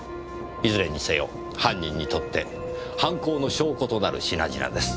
いずれにせよ犯人にとって犯行の証拠となる品々です。